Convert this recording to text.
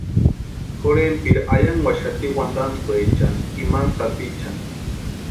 Jorhenpiri ayankwaxati wantantskwechani imani sapichani.